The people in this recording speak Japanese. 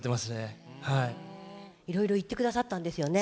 いろいろ行って下さったんですよね。